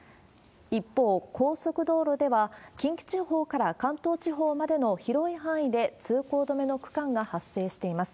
一方、高速道路では、近畿地方から関東地方までの広い範囲で通行止めの区間が発生しています。